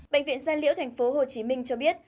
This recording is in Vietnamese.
bệnh viện gia liễu tp hcm cho biết